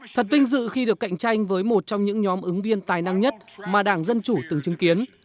thật vinh dự khi được cạnh tranh với một trong những nhóm ứng viên tài năng nhất mà đảng dân chủ từng chứng kiến